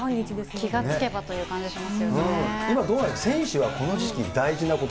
気が付けばという感じがしま